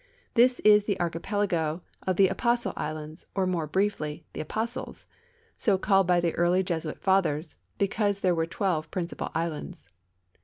This is the archipelago of the Apostle islands, or, more briefly, " The Apostles," so called by the early Jesuit Fathers because there were twelve princijial islands.